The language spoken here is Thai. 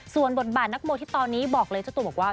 ส่วนบทบาทนักมวยที่ตอนนี้บอกเลยเจ้าตัวบอกว่า